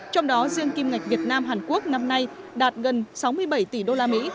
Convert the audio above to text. trong đó riêng kim ngạch việt nam hàn quốc năm nay đạt gần sáu mươi bảy tỷ usd